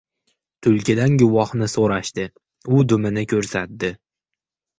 • Tulkidan guvohni so‘rashdi, u dumini ko‘rsatdi.